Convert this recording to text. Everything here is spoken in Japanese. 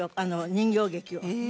人形劇を。